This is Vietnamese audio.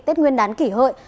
tết nguyên đán kỷ hội